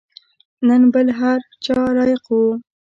تر بل هر چا لایق وو.